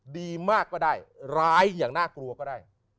ดีมากก็ได้ร้ายอย่างน่ากลัวก็ได้